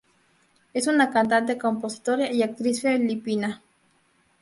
Es una cantante, compositora y actriz filipina.